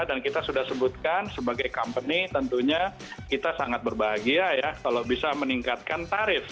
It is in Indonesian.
kita sudah sebutkan sebagai company tentunya kita sangat berbahagia ya kalau bisa meningkatkan tarif